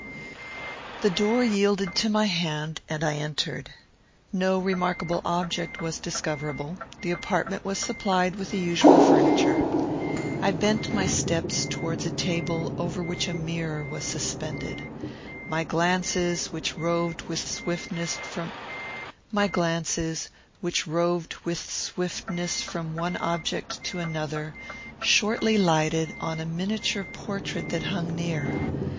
The door yielded to my hand, and I entered. No remarkable object was discoverable. The apartment was supplied with the usual furniture. I bent my steps towards a table over which a mirror was suspended. My glances, which roved with swiftness from one object to another, shortly lighted on a miniature portrait that hung near.